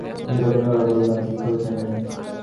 আমি কঠিন গলায় বললাম, কী খোঁজ নেবেন?